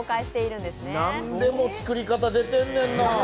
なんでも作り方、出てんねんなあ。